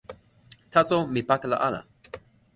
taso mi pakala ala.